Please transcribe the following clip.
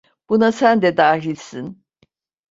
Buna sen de dahilsin.